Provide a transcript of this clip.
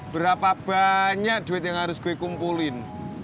berapa banyak duit yang harus gue kumpulin